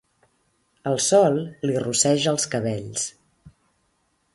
El sol li rosseja els cabells.